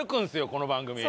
この番組。